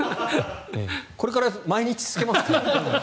これから毎日つけますか。